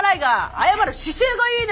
謝る姿勢がいいね！